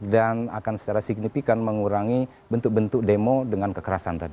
dan akan secara signifikan mengurangi bentuk bentuk demo dengan kekerasan tadi